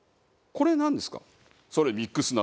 これなんですか？